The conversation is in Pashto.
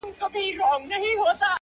ښكلو ته كاته اكثر;